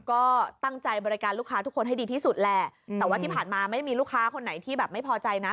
ก็ตั้งใจบริการลูกค้าทุกคนให้ดีที่สุดแหละแต่ว่าที่ผ่านมาไม่มีลูกค้าคนไหนที่แบบไม่พอใจนะ